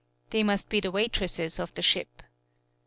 They must be the waitresses of the ship.